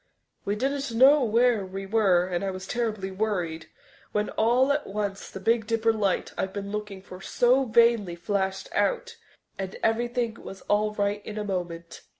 We didn't know where we were and I was terribly worried, when all at once the Big Dipper light I'd been looking for so vainly flashed out, and everything was all right in a moment.